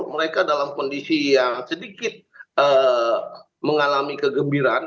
mereka dalam kondisi yang sedikit mengalami kegembiraan